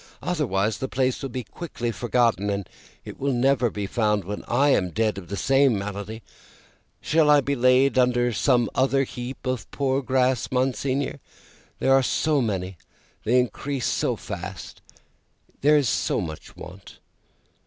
Otherwise, the place will be quickly forgotten, it will never be found when I am dead of the same malady, I shall be laid under some other heap of poor grass. Monseigneur, they are so many, they increase so fast, there is so much want.